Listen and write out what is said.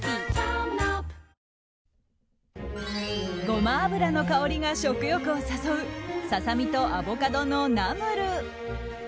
ゴマ油の香りが食欲を誘うささみとアボカドのナムル。